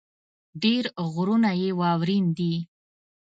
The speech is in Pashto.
ډېر غرونه يې واؤرين دي ـ